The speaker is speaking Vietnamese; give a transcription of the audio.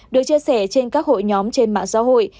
được chia sẻ trên các hội nhóm trên mạng xã hội